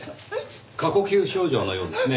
過呼吸症状のようですね。